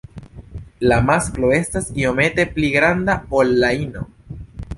La masklo estas iomete pli granda ol la ino.